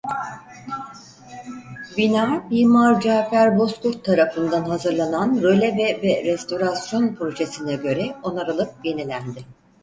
Bina mimar Cafer Bozkurt tarafından hazırlanan röleve ve restorasyon projesine göre onarılıp yenilendi.